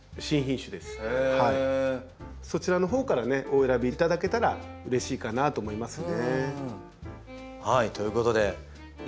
そちらのほうからお選びいただけたらうれしいかなと思いますね。ということでらみさん